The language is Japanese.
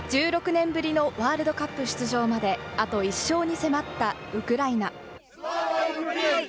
１６年ぶりのワールドカップ出場まであと１勝に迫ったウクライナ。